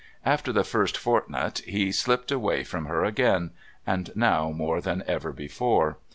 After the first fortnight he slipped away from her again and now more than ever before.